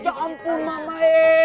ya ampun mama